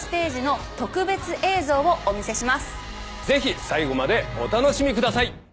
ぜひ最後までお楽しみください。